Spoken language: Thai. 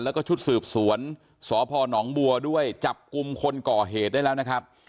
แล้วก็ชุดสืบสวนสพนบัวด้วยจับกลุ่มคนก่อเหตุได้แล้วนะครับ